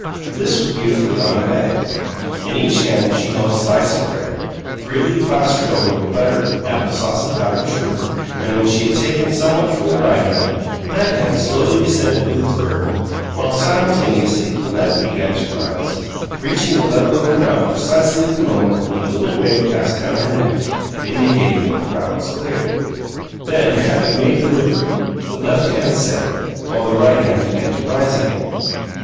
This was beautifully automatic: in each hand she held a slice of bread, freely plastered over with butter, apple sauce, and powdered sugar; and when she had taken somewhat from the right hand, that hand slowly descended with its burden, while, simultaneously, the left began to rise, reaching the level of her mouth precisely at the moment when a little wave passed down her neck, indicating that the route was clear. Then, having made delivery, the left hand sank, while the right began to rise again.